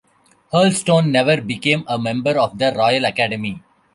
Hurlstone never became a member of the Royal Academy.